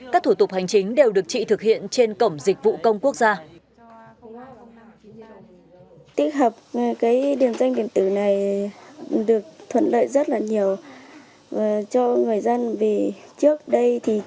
các thủ tục hành chính đều được chị thực hiện trên cổng dịch vụ công quốc gia